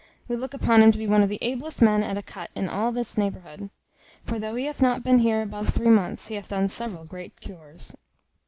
We look upon him to be one of the ablest men at a cut in all this neighbourhood. For though he hath not been her above three months, he hath done several great cures."